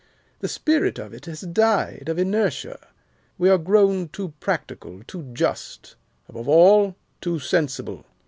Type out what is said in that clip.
The spirit of it has died of inertia. We are grown too practical, too just, above all, too sensible.